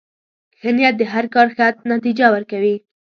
ښه نیت د هر کار ښه نتیجه ورکوي.